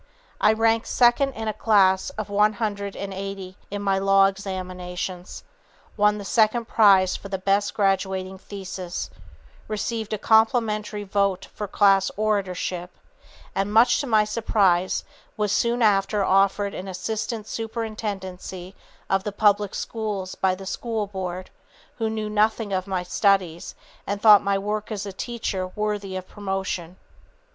"I ranked second in a class of one hundred and eighty in my law examinations, won the second prize for the best graduating thesis, received a complimentary vote for class oratorship, and much to my surprise was soon after offered an assistant superintendency of the public schools by the school board, who knew nothing of my studies and thought my work as a teacher worthy of promotion.